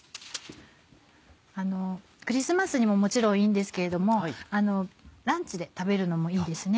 クリスマスにももちろんいいんですけれどもランチで食べるのもいいですね。